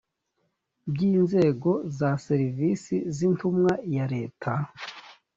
by inzego za serivisi z intumwa ya leta